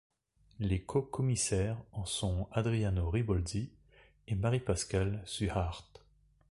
Les co-commissaires en sont Adriano Ribolzi et Marie-Pascale Suhard.